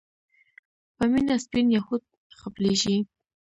په مينه سپين يهود خپلېږي